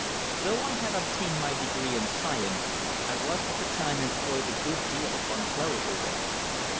Though I had obtained my Degree in Science I was at the time employed a good deal upon clerical work.